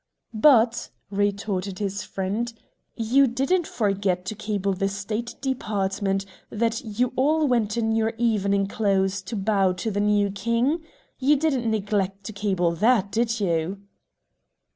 "But," retorted his friend, "you didn't forget to cable the State Department that you all went in your evening clothes to bow to the new King? You didn't neglect to cable that, did you?"